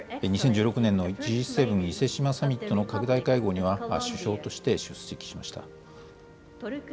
２０１６年のＧ７・伊勢志摩サミットの拡大会合には、首相として出席しました。